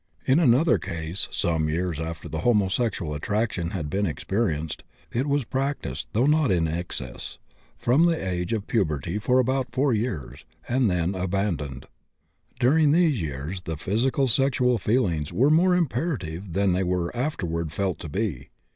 In another case, some years after the homosexual attraction had been experienced, it was practised, though not in excess, from the age of puberty for about four years, and then abandoned; during these years the physical sexual feelings were more imperative than they were afterward felt to be.